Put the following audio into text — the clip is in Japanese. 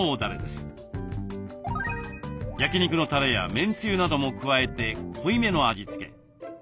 焼き肉のたれやめんつゆなども加えて濃いめの味付け。